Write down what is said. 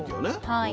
はい。